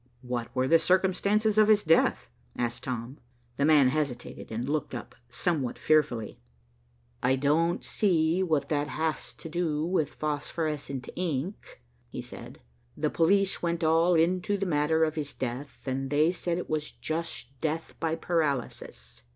"What were the circumstances of his death?" asked Tom. The man hesitated and looked up somewhat fearfully. "I don't see what that has to do with phosphorescent ink," he said. "The police went all into the matter of his death, and they said it was just death by paralysis."